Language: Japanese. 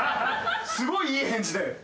すごいいい返事で。